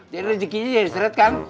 jadi rezekinya jadi seret kan